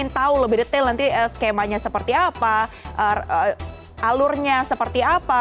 tahu lebih detail nanti skemanya seperti apa alurnya seperti apa